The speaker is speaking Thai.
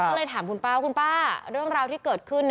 ก็เลยถามคุณป้าคุณป้าเรื่องราวที่เกิดขึ้น